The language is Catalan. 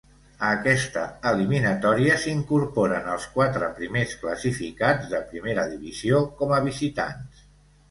A aquesta eliminatòria s'incorporen els quatre primers classificats de Primera Divisió com a visitants.